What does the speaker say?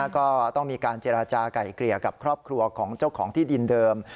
ก็ต้องมีการเจรจาไก่เกลี่ยกับครอบครัวของเจ้าของที่ดินเดิม